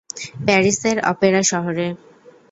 প্যারিসের অপেরা শহরে।